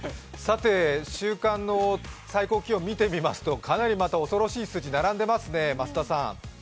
週間の最高気温、見てみますとかなり恐ろしい数字、並んでますね